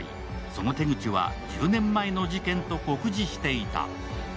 その手口は１０年前の事件と酷似していた。